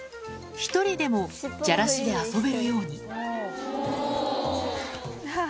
１人でもじゃらしで遊べるように。